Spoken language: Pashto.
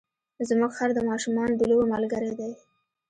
زموږ خر د ماشومانو د لوبو ملګری دی.